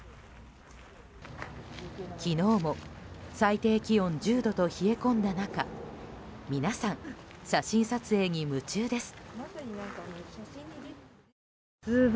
昨日も最低気温１０度と冷え込んだ中皆さん、写真撮影に夢中です。